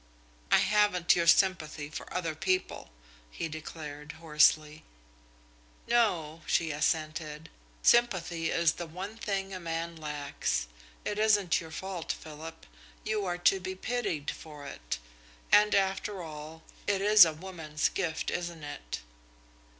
"I haven't your sympathy for other people," he declared hoarsely. "No," she assented, "sympathy is the one thing a man lacks. It isn't your fault, Philip. You are to be pitied for it. And, after all, it is a woman's gift, isn't it?"